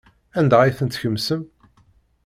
Anda ay ten-tkemsem?